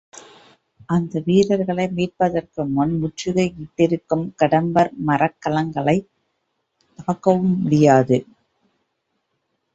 அந்த வீரர்களை மீட்பதற்குமுன் முற்றுகை இட்டிருக்கும் கடம்பர் மரக் கலங்களைத் தாக்கவும் முடியாது.